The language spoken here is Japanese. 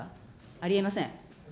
ありえません。